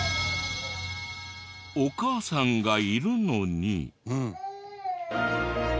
お母さんがいるのに。